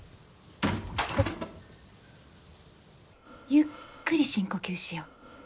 ・ゆっくり深呼吸しよ。